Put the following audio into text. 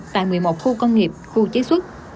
tại một mươi một khu công nghiệp khu chế xuất